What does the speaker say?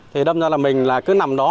thì đâm ra là mình là cứ nằm đó